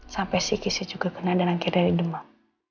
sampai si kisi juga kena dan akhirnya demam